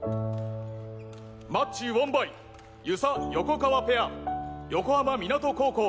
マッチウォンバイ遊佐・横川ペア横浜湊高校。